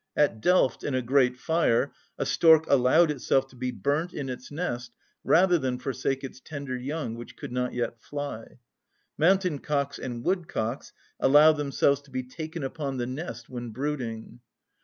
At Delft, in a great fire, a stork allowed itself to be burnt in its nest rather than forsake its tender young, which could not yet fly (Hadr. Junius, Descriptio Hollandiæ). Mountain‐cocks and woodcocks allow themselves to be taken upon the nest when brooding.